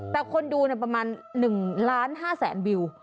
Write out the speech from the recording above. แต่คนดูประมาณ๑๕๐๐๐๐๐วิว